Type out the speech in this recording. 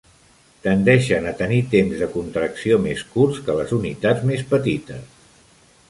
Tendeixen a tenir temps de contracció més curts que les unitats més petites.